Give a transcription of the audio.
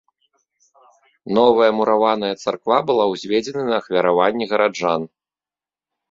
Новая мураваная царква была ўзведзена на ахвяраванні гараджан.